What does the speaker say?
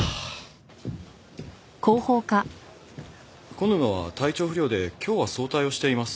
小沼は体調不良で今日は早退をしています。